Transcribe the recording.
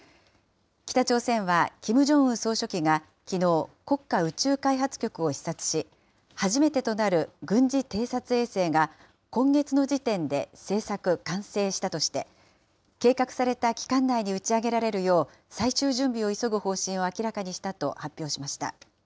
北朝鮮は、キム・ジョンウン総書記がきのう、国家宇宙開発局を視察し、初めてとなる軍事偵察衛星が今月の時点で製作・完成したとして、計画された期間内に打ち上げられるよう、最終準備を急ぐ方針を明らかにしたと発表しました。